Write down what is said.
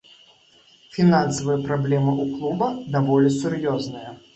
Фінансавыя праблемы ў клуба даволі сур'ёзныя.